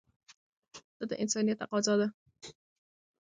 دا د انسانیت تقاضا ده.